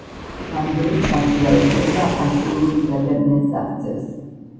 ამ დროს მათი რაოდენობა ასეულობით ადამიანს აღწევს.